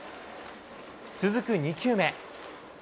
続く２球目。